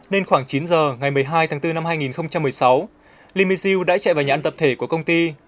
nên khoảng chín giờ ngày một mươi hai tháng bốn năm hai nghìn một mươi sáu limi siêu đã chạy vào nhà ăn tập thể của công ty